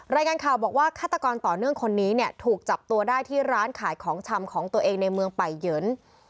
รายงานข่าวบอกว่าฆาตกรต่อเนื่องคนนี้เนี่ยถูกจับตัวได้ที่ร้านขายของชำของตัวเองในเมืองป่ายเหยิน